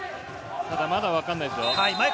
ただ、まだわからないですよ。